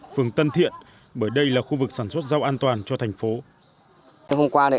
phường tân thiện bởi đây là khu vực sản xuất rau an toàn cho thành phố